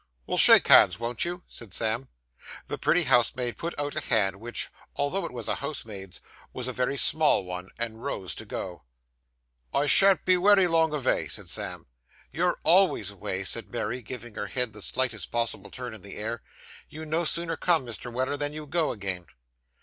'Well, shake hands, won't you?' said Sam. The pretty housemaid put out a hand which, although it was a housemaid's, was a very small one, and rose to go. 'I shan't be wery long avay,' said Sam. 'You're always away,' said Mary, giving her head the slightest possible toss in the air. 'You no sooner come, Mr. Weller, than you go again.